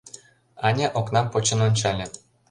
Аня окнам почын ончале.